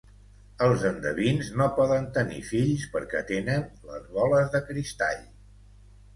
Els endevins no poden tenir fills perquè tenen les boles de cristall.